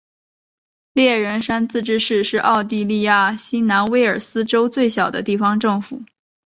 猎人山自治市是澳大利亚新南威尔斯州最小的地方政府。